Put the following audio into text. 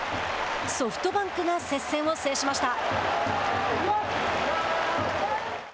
ソフトバンクが接戦を制しました。